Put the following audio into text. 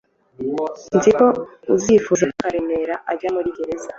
Nzi ko utifuzaga ko Karemera ajya muri gereza